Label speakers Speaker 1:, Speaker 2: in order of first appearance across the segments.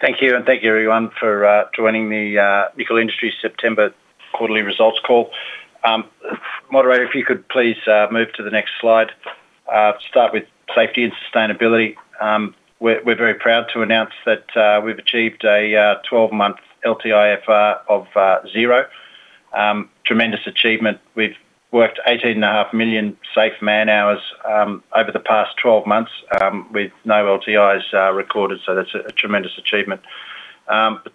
Speaker 1: Thank you. And thank you everyone for joining the Nickel Industries September quarterly results. Call moderator, if you could please move to the next slide. Start with safety and sustainability. We're very proud to announce that we've achieved a 12-month LTIFR of zero, tremendous achievement. We've worked 18.5 million safe man hours over the past 12 months with no LTIs recorded. That's a tremendous achievement. The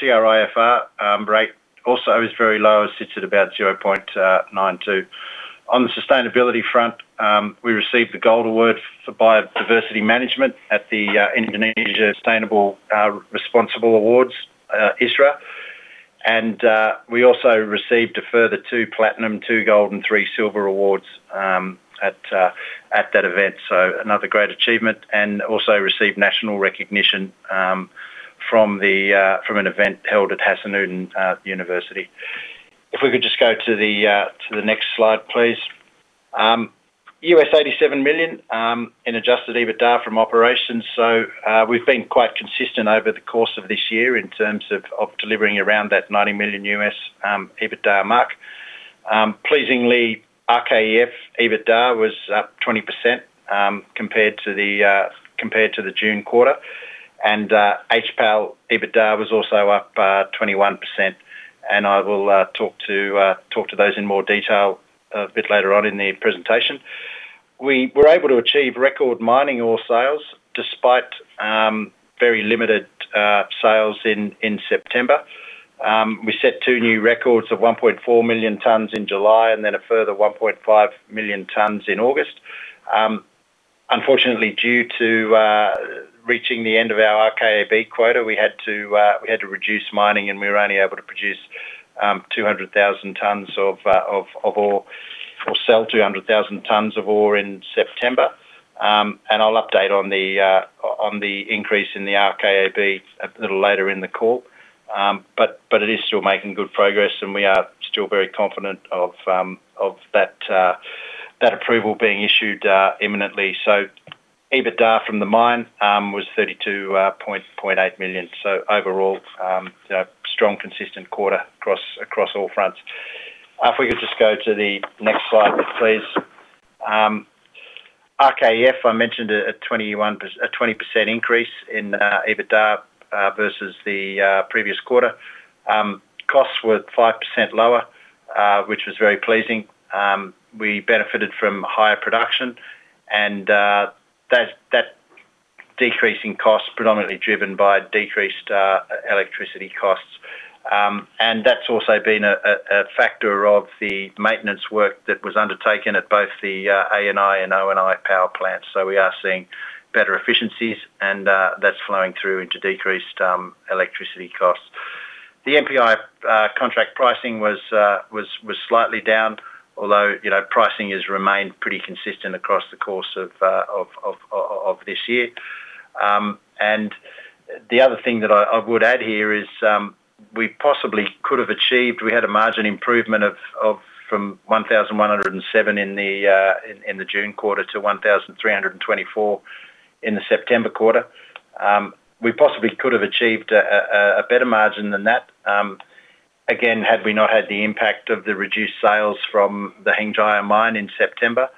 Speaker 1: TRIFR rate also is very low, sits at about 0.92. On the sustainability front, we received the Gold Award for Biodiversity Management at the Indonesia Sustainable Responsible Awards (ISRA), and we also received a further two Platinum, two Gold, and three Silver awards at that event. Another great achievement, and also received national recognition from an event held at Hasanuddin University. If we could just go to the next slide, please. $87 million in Adjusted EBITDA from operations. We've been quite consistent over the course of this year in terms of delivering around that $90 million EBITDA mark. Pleasingly, RKEF EBITDA was up 20% compared to the June quarter, and HPAL EBITDA was also up 21%. I will talk to those in more detail a bit later on in the presentation. We were able to achieve record mining ore sales despite very limited sales in September. We set two new records of 1.4 million tonnes in July and then a further 1.5 million tonnes in August. Unfortunately, due to reaching the end of our RKAB quota, we had to reduce mining and we were only able to produce 200,000 tonnes of ore or sell 200,000 tonnes of ore in September. I'll update on the increase in the RKAB a little later in the call, but it is still making good progress and we are still very confident. Of. That approval being issued imminently. So EBITDA from the mine was $32.8 million. Overall, strong consistent quarter across all fronts. If we could just go to the next slide, please. RKEF, I mentioned a 20% increase in EBITDA versus the previous quarter. Costs were 5% lower, which was very pleasing. We benefited from higher production and that decrease in costs predominantly driven by decreased electricity costs. That has also been a factor of the maintenance work that was undertaken at both the ANI and ONI power plants. We are seeing better efficiencies and that's flowing through into decreased electricity costs. The MPI contract pricing was slightly down, although pricing has remained pretty consistent across the course of this year. The other thing that I would add here is we possibly could have achieved a margin improvement from $1,107 in the June quarter to $1,324 in the September quarter. We possibly could have achieved a better margin than that, again, had we not had the impact of the reduced sales from the Hengjaya Mine in September.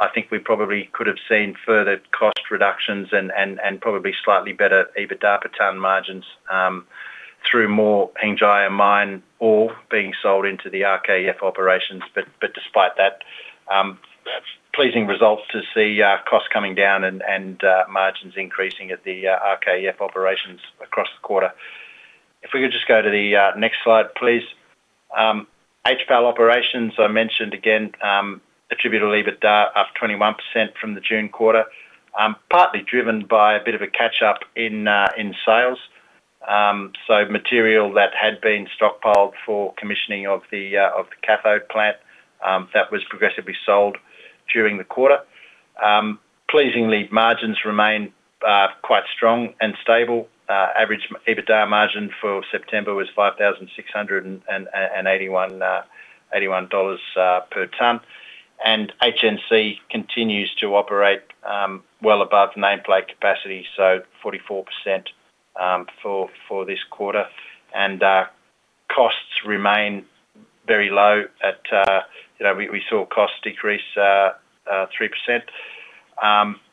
Speaker 1: I think we probably could have seen further cost reductions and probably slightly better EBITDA per tonne margins through more Hengjaya Mine ore being sold into the RKEF operations. Despite that, pleasing results to see costs coming down and margins increasing at the RKEF operations across the quarter. If we could just go to the next slide, please. HPAL operations, I mentioned again attributable EBITDA of 21% from the June quarter, partly driven by a bit of a catch up in sales. Material that had been stockpiled for commissioning of the cathode plant was progressively sold during the quarter. Pleasingly, margins remain quite strong and stable. Average EBITDA margin for September was $5,681 per tonne. HNC continues to operate well above nameplate capacity, so 44% for this quarter, and costs remain very low. We saw costs decrease 3%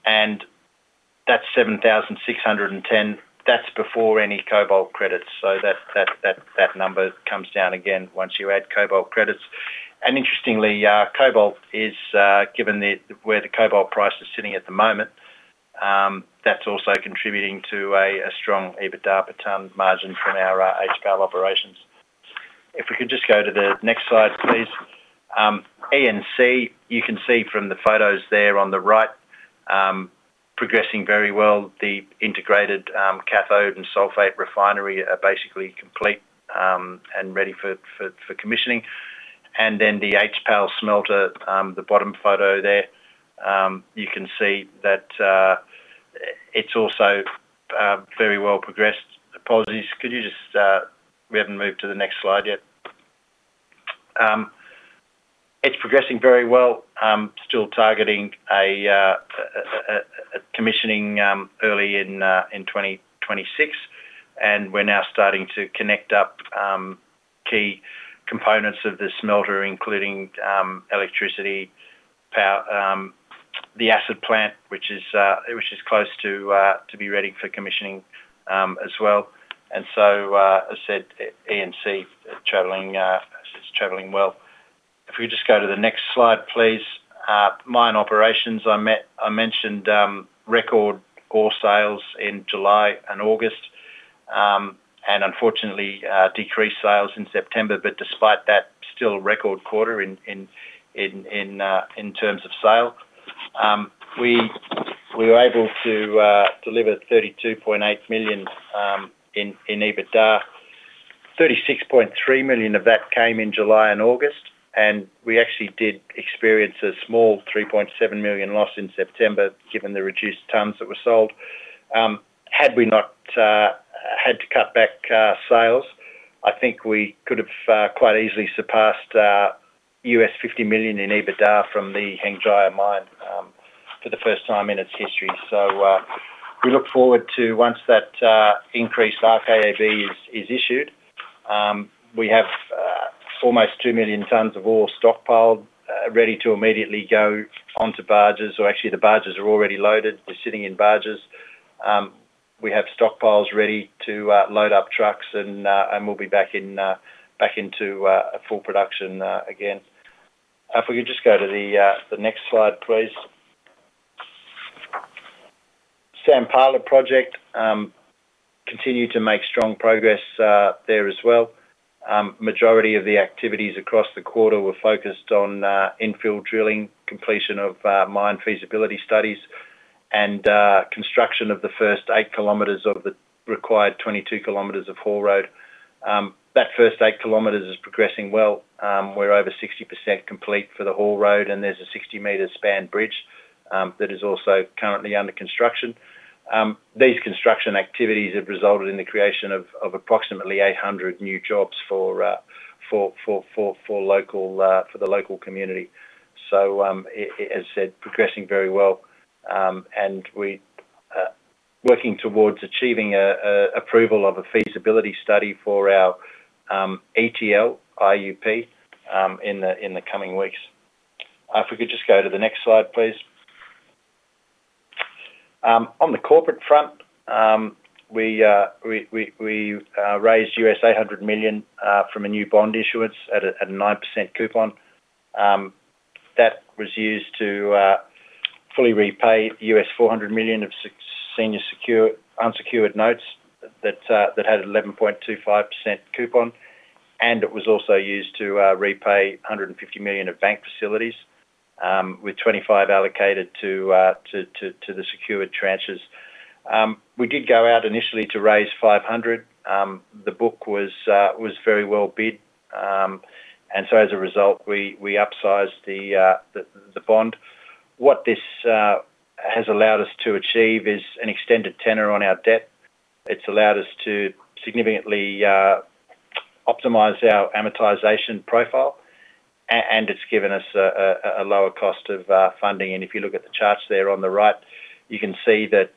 Speaker 1: and that's $7,610. That's before any cobalt credits, so that number comes down again once you add cobalt credits. Interestingly, given where the cobalt price is sitting at the moment, that's also contributing to a strong EBITDA per tonne margin from our HPAL operations. If we could just go to the next slide, please. ENC, you can see from the photos there on the right, progressing very well. The integrated cathode and sulfate refinery are basically complete and ready for commissioning. The HPAL smelter, the bottom photo there, you can see that it's also very well progressed. Apologies, could you just. We haven't moved to the next slide yet. It's progressing very well. Still targeting a commissioning early in 2026 and we're now starting to connect up key components of the smelter, including electricity, the acid plant, which is close to be ready for commissioning as well. As said, ENC is traveling well. If we just go to the next slide, please. Mine operations. I mentioned record ore sales in July and August and unfortunately decreased sales in September. Despite that, still a record quarter in terms of sale. We were able to deliver $32.8 million in EBITDA, $36.3 million of that came in July and August and we actually did experience a small $3.7 million loss in September given the reduced tonnes that were sold. Had we not had to cut back sales, I think we could have quite easily surpassed $50 million in EBITDA from the Hengjaya Mine for the first time in its history. We look forward to once that increased RKAB is issued. We have almost 2 million tonnes of ore stockpiled ready to immediately go onto barges or actually the barges are already loaded, they're sitting in barges. We have stockpiles ready to load up trucks and we'll be back into full production again. If we could just go to the next slide, please. Sand Parlor project continued to make strong progress there as well. Majority of the activities across the quarter were focused on infield drilling, completion of mine feasibility studies and construction of the first 8 km of the required 22 km of haul road. That first 8 km is progressing well. We're over 60% complete for the haul road and there's a 60 meter span bridge that is also currently under construction. These construction activities have resulted in the creation of approximately 800 new jobs for the local community. As I said, progressing very well and we are working towards achieving approval of a feasibility study for our ETL IUP in the coming weeks. If we could just go to the next slide, please. On the corporate front, we raised $800 million from a new bond issuance at a 9% coupon that was used to fully repay $400 million of senior unsecured notes that had 11.25% coupon and it was also used to repay $150 million of bank facilities with $25 million allocated to the secured tranches. We did go out initially to raise $500 million. The book was very well bid, and as a result we upsized the bond. What this has allowed us to achieve is an extended tenor on our debt. It's allowed us to significantly optimize our amortization profile, and it's given us a lower cost of funding. If you look at the charts there on the right, you can see that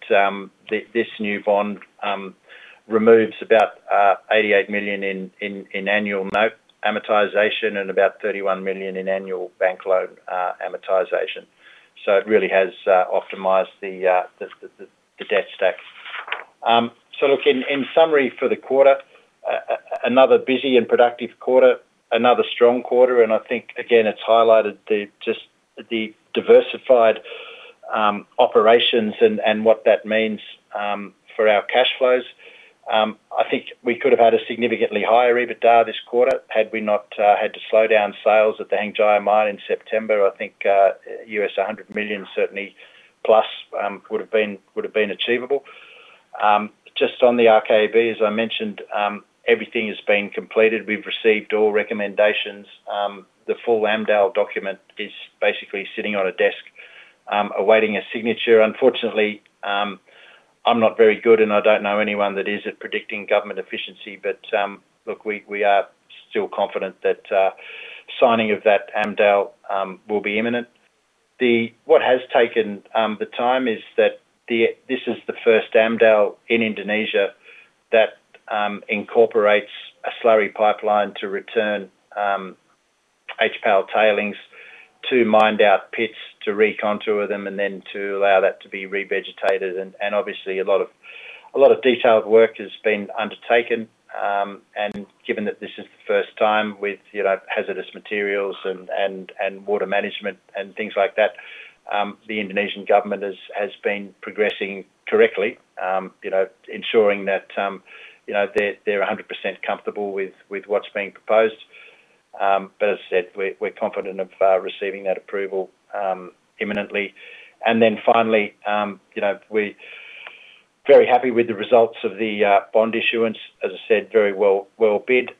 Speaker 1: this new bond removes about $88 million in annual note amortization and about $31 million in annual bank loan amortization. It really has optimized the debt stack. In summary for the quarter, another busy and productive quarter, another strong quarter. I think again it's highlighted just the diversified operations and what that means for our cash flows. I think we could have had a significantly higher EBITDA this quarter had we not had to slow down sales at the Hengjaya Mine in September. I think $100 million certainly plus would have been achievable just on the RKAB. As I mentioned, everything has been completed, we've received all recommendations. The full AMDAL document is basically sitting on a desk awaiting a signature. Unfortunately, I'm not very good, and I don't know anyone that is, at predicting government efficiency. We are still confident that signing of that AMDAL will be imminent. What has taken the time is that this is the first AMDAL in Indonesia that incorporates a slurry pipeline to return HPAL tailings to mined out pits, to recontour them, and then to allow that to be revegetated. Obviously, a lot of detailed work has been undertaken. Given that this is the first time with hazardous materials and water management and things like that, the Indonesian government has been progressing correctly, ensuring that they're 100% comfortable with what's being proposed. As I said, we're confident of receiving that approval imminently. Finally, we are very happy with the results of the bond issuance. As I said, very well bid.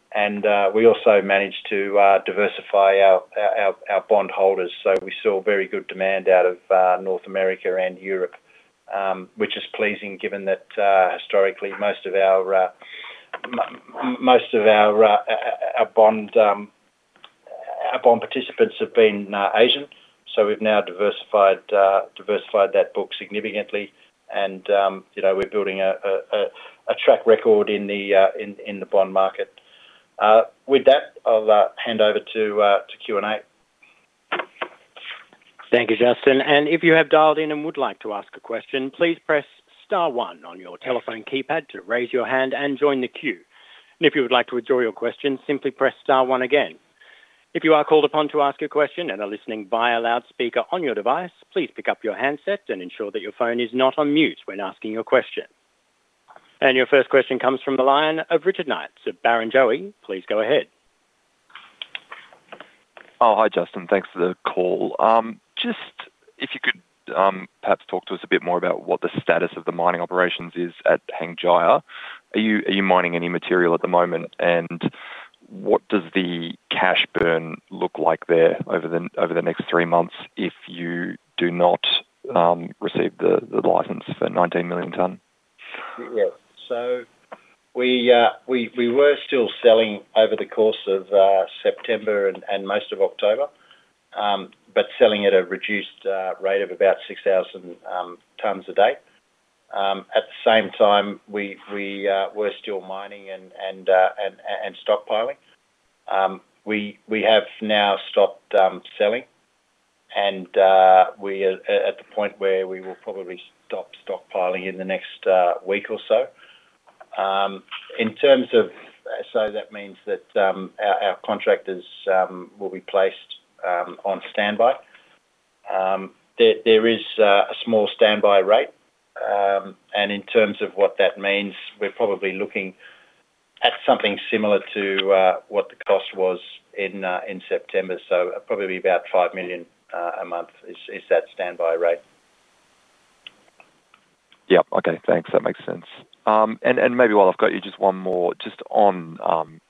Speaker 1: We also managed to diversify our bond holders, so we saw very good demand out of North America and Europe, which is pleasing given that historically most of our bond participants have been Asian. We've now diversified that book significantly, and we're building a track record in the bond market. With that, I'll hand over to Q&A.
Speaker 2: Thank you, Justin. If you have dialed in and would like to ask a question, please press star one on your telephone keypad to raise your hand and join the queue. If you would like to withdraw your question, simply press star one again. If you are called upon to ask a question and are listening via loudspeaker on your device, please pick up your handset and ensure that your phone is not on mute when asking your question. Your first question comes from the line of Richard Knights, Barrenjoey. Please go ahead.
Speaker 3: Oh, hi Justin, thanks for the call. If you could perhaps talk to us a bit more about what the status of the mining operations is at Hengjaya. Are you mining any material at the moment, and what does the cash burn look like there over the next three months if you do not receive the license for 19 million tonnes?
Speaker 1: Yes. We were still selling over the course of September and most of October, but selling at a reduced rate of about 6,000 tonnes a day. At the same time, we were still mining and stockpiling. We have now stopped selling and we are at the point where we will probably stop stockpiling in the next week or so. That means that our contractors will be placed on standby. There is a small standby rate, and in terms of what that means, we're probably looking at something similar to what the cost was in September, so probably about $5 million a month. Is that standby rate?
Speaker 3: Yep. Okay, thanks. That makes sense. Maybe while I've got you, just one more on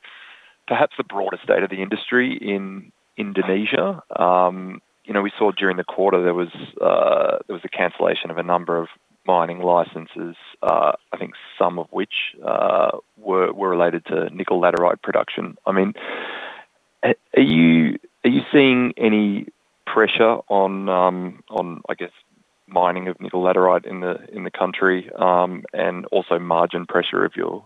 Speaker 3: perhaps the broader state of the industry in Indonesia. We saw during the quarter there was a cancellation of a number of mining licenses, I think some of which were related to nickel laterite production. Are you seeing any pressure on mining of nickel laterite in the country and also margin pressure of your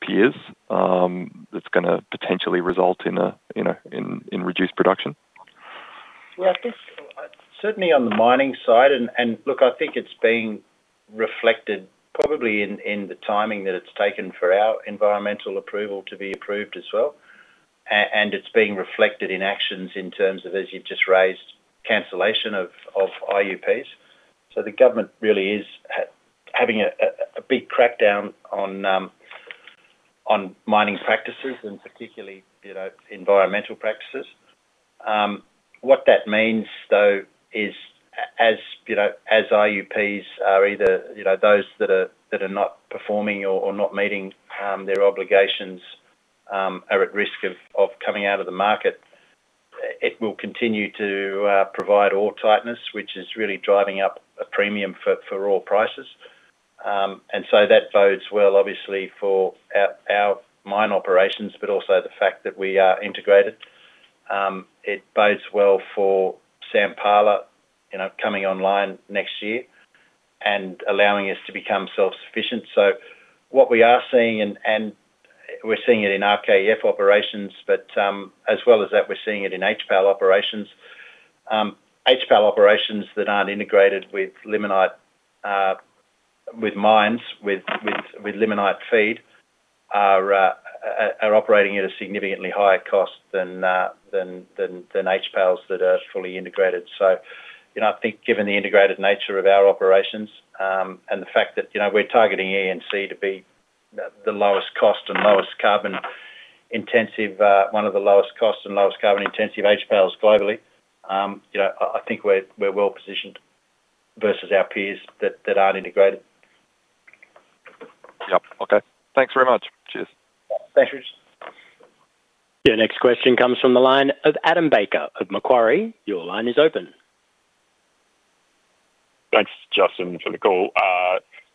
Speaker 3: peers that's going to potentially result in reduced production?
Speaker 1: Yeah, certainly on the mining side. I think it's being reflected probably in the timing that it's taken for our environmental approval to be approved as well. It's being reflected in actions in terms of, as you just raised, cancellation of IUPs. The government really is having a big crackdown on mining practices and particularly, you know, environmental practices. What that means though is, as you know, as IUPs are, either, you know, those that are not performing or not meeting their obligations are at risk of coming out of the market, it will continue to provide ore tightness, which is really driving up a premium for ore prices. That bodes well obviously for our mine operations, but also the fact that we are integrated, it bodes well for Sand Parlor coming online next year and allowing us to become self-sufficient. What we are seeing, and we're seeing it in RKEF operations, but as well as that, we're seeing it in HPAL operations. HPAL operations that aren't integrated with mines with limonite feed are operating at a significantly higher cost than HPALs that are fully integrated. I think given the integrated nature of our operations and the fact that, you know, we're targeting ENC to be the lowest cost and lowest carbon intensive, one of the lowest cost and lowest carbon intensive HPALs globally, I think we're well positioned versus our peers that aren't integrated.
Speaker 3: Yep. Okay. Thanks very much. Cheers.
Speaker 1: Thanks.
Speaker 2: Richard, your next question comes from the line of Adam Baker of Macquarie. Your line is open.
Speaker 4: Thanks Justin, for the call.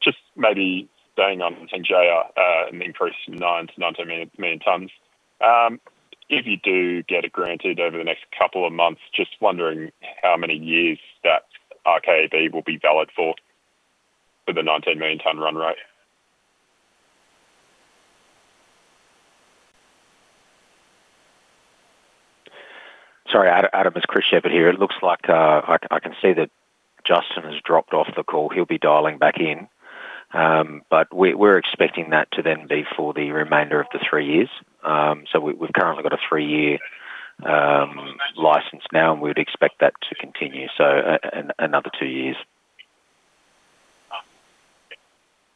Speaker 4: Just maybe staying on Hengjaya. An increase 9 million to 19 million tonnes. If you do get it granted over the next couple of months, just wondering how many years that RKAB will be valid for the 19 million tonne run rate.
Speaker 5: Sorry, Adam, it's Chris Shepherd here. It looks like I can see that Justin has dropped off the call. He'll be dialing back in, but we're expecting that to then be for the remainder of the three years. We've currently got a three year license now and we'd expect that to continue, so another two years.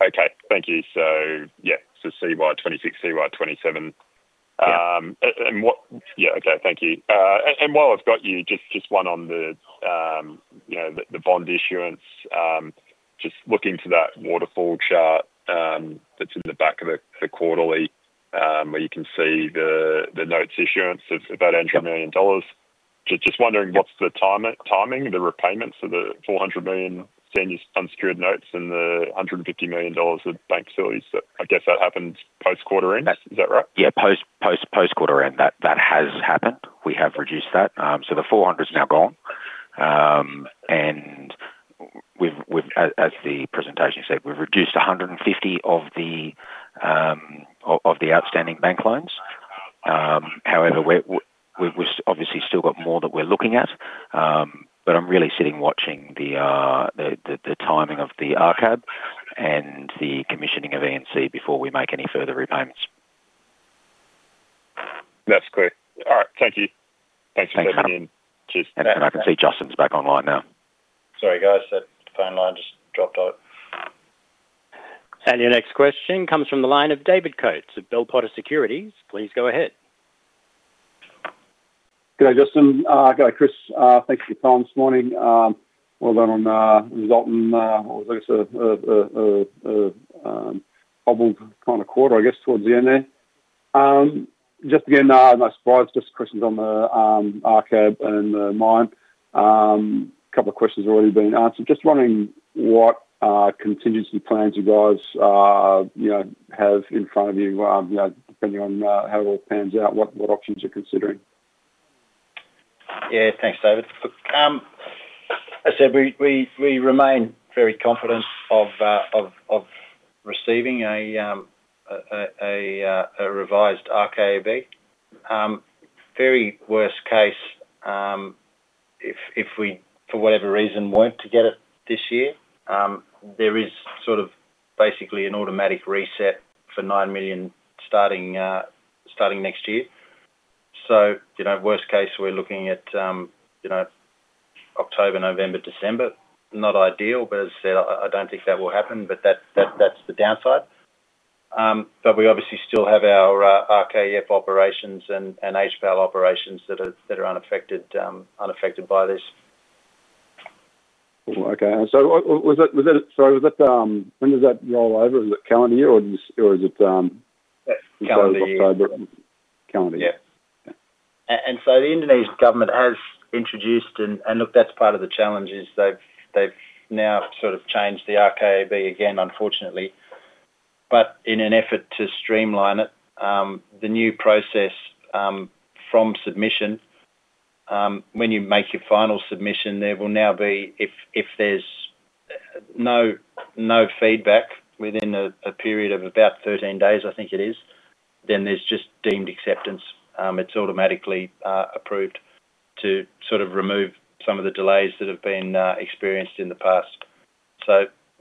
Speaker 4: Okay, thank you. CY 2026, CY 2027 and what? Okay, thank you. While I've got you, just one on the bond issuance. Just looking to that waterfall chart that's in the back of the quarterly where you can see the notes issuance of about $100 million. Just wondering what's the timing? The repayments of the $400 million unsecured notes and the $150 million of bank facilities. I guess that happens post quarter end, is that right?
Speaker 5: Yeah, post quarter end that has happened. We have reduced that, so the $400 million is now gone. As the presentation said, we've reduced $150 million of the outstanding bank loans. However, we obviously still got more that we're looking at. I'm really sitting watching the timing of the RKAB and the commissioning of ENC before we make any further repayments.
Speaker 4: That's great. All right, thank you, thanks for stepping in.
Speaker 5: I can see Justin's back online now.
Speaker 1: Sorry guys, that phone line just dropped out.
Speaker 2: Your next question comes from the line of David Coates of Bell Potter Securities. Please go ahead.
Speaker 6: G'day, Justin. G'day, Chris. Thanks for your time this morning. Well done on resulting kind of quarter. I guess towards the end there just. Again, no surprise, just questions on the RKAB and mine. A couple of questions already been answered. Just wondering what contingency plans you guys have in front of you, depending on how it all pans out, what options you're considering.
Speaker 1: Yeah, thanks, David. I said we remain very confident of receiving a revised RKAB. Very worst case, if we for whatever reason weren't to get it this year, there is basically an automatic reset for $9 million starting next year. Worst case, we're looking at October, November, December. Not ideal, but as I said, I don't think that will happen. That's the downside. We obviously still have our RKEF operations and HPAL operations that are unaffected by this.
Speaker 6: Okay, so when does that roll over? Is it calendar year or is it October calendar?
Speaker 1: Yeah. The Indonesian government has introduced, and look, that's part of the challenge, as they've now sort of changed the RKAB again, unfortunately, but in an effort to streamline it, the new process from submission, when you make your final submission, there will now be, if there's no feedback within a period of about 13 days, I think it is, then there's just deemed acceptance. It's automatically approved to remove some of the delays that have been experienced in the past.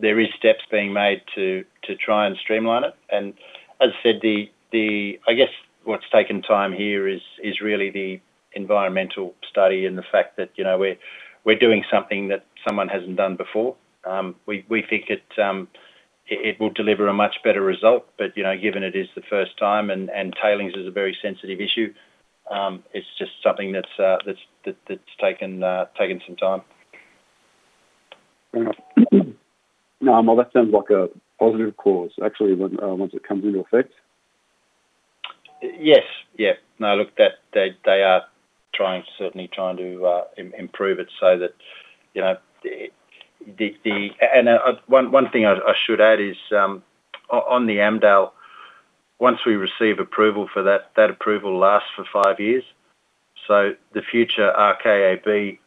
Speaker 1: There are steps being made to try and streamline it. As I said, what's taken time here is really the environmental study and the fact that we're doing something that someone hasn't done before. We think it will deliver a much better result, but given it is the first time and tailings is a very sensitive issue, it's just something that's taken some time.
Speaker 6: That sounds like a positive cause, actually, once it comes into effect.
Speaker 1: Yes. Yeah. Now look, they are certainly trying to improve it so that, you know. One thing I should add is on the AMDAL, once we receive approval for that, that approval lasts for five years. The future RKAB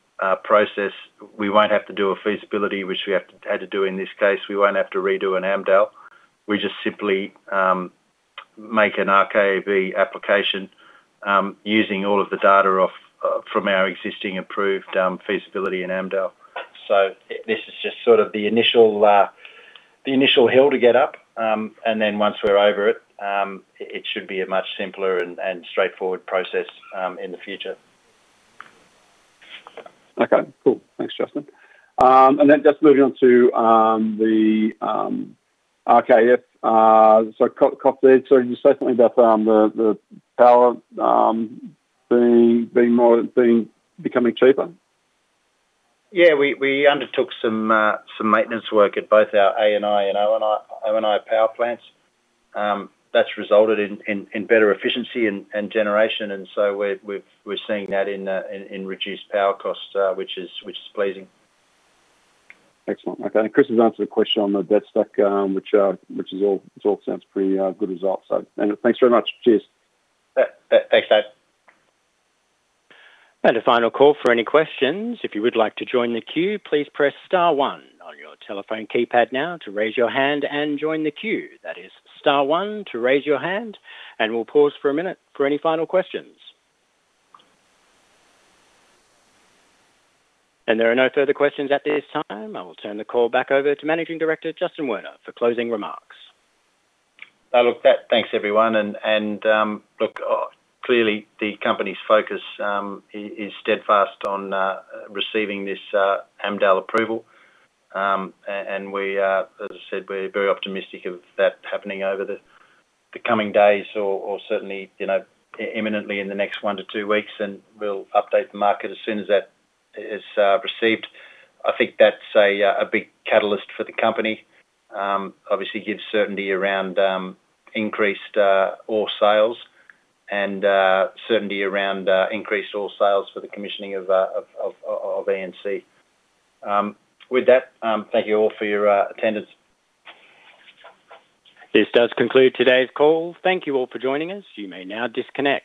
Speaker 1: process, we won't have to do a feasibility, which we had to do in this case. We won't have to redo an AMDAL. We just simply make an RKAB application using all of the data from our existing approved feasibility in AMDAL. This is just sort of the initial hill to get up and then once we're over, it should be a much simpler and straightforward process in the future.
Speaker 6: Okay, cool. Thanks, Justin. Just moving on to the RKEF. Did you say something about the power becoming cheaper?
Speaker 1: Yeah, we undertook some maintenance work at both our ANI and ONI power plants that's resulted in better efficiency and generation. We're seeing that in reduced power costs, which is pleasing.
Speaker 6: Excellent. Okay, Chris Shepherd has answered the question on the debt stack, which all sounds pretty good. Results. Thanks very much. Cheers.
Speaker 1: Thanks, Dave.
Speaker 2: A final call for any questions. If you would like to join the queue, please press star one on your telephone keypad to raise your hand and join the queue. That is star one to raise your hand. We'll pause for a minute, please, for any final questions. There are no further questions at this time. I will turn the call back over to Managing Director Justin Werner for closing remarks.
Speaker 1: Thanks, everyone. Clearly the company's focus is steadfast on receiving this AMDAL approval and, as I said, we're very optimistic of that happening over the coming days or certainly imminently, in the next one to two weeks, and we'll update the market as soon as that is received. I think that's a big catalyst for the company. Obviously gives certainty around increased ore sales and certainty around increased ore sales for the commissioning of ENC. With that, thank you all for your attendance.
Speaker 2: This does conclude today's call. Thank you all for joining us. You may now disconnect.